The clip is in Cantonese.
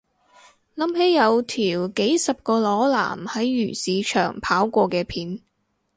諗起有條幾十個裸男喺漁市場跑過嘅片